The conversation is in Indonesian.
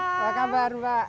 apa kabar mbak